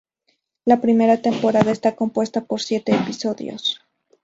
La primera temporada está compuesta por siete episodios.